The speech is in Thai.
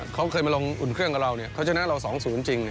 เขาเคยมาลงอุ่นเครื่องกับเราเขาชนะเรา๒๐จริง